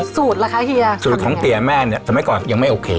สูตรล่ะค่ะพี่อะสูตรของเตียงแม่เนี่ยถมั้ยบ้างหยังไม่โอเค